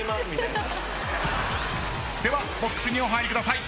ではボックスにお入りください。